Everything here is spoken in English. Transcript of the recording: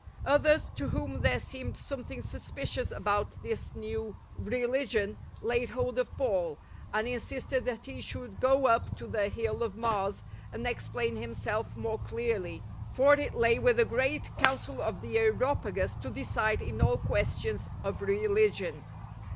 Others, to whom there seemed some thing suspicious about this new religion, laid hold of Paul, and insisted that he should go up to the Hill of Mars and explain himself more clearly, for it lay with the great Council of the Areopagus to decide in aU questions of religion.